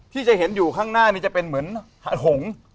ที่จะเห็นอยู่ข้างหน้านี้จะเป็นเหมือนหง